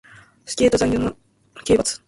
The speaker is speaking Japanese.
死刑と残虐な刑罰